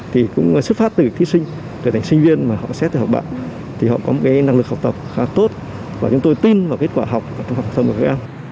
thì trong điều kiện mới xét tuyển học bạn đang dần chiếm ưu thế